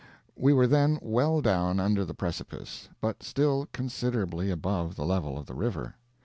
We were then well down under the precipice, but still considerably above the level of the river.